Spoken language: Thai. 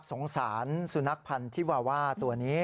สงสารสุนัขพันธิวาว่าตัวนี้